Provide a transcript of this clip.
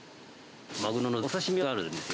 マグロのお刺身があるんですよ。